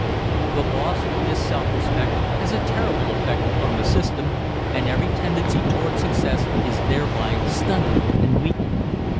The loss of this self respect has a terrible effect upon the system and every tendency toward success is thereby stunted and weakened.